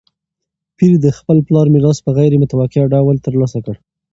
پییر د خپل پلار میراث په غیر متوقع ډول ترلاسه کړ.